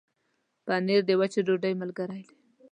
پنېر د وچې ډوډۍ ملګری دی.